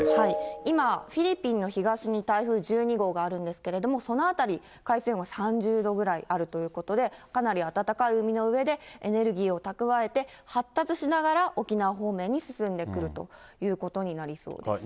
今、フィリピンの東に台風１２号があるんですけども、その辺り、海水温が３０度ぐらいあるということで、かなり暖かい海の上でエネルギーを蓄えて、発達しながら沖縄方面に進んでくるということになりそうです。